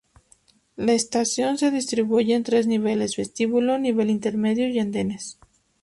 La estación se distribuye en tres niveles: vestíbulo, nivel intermedio y andenes.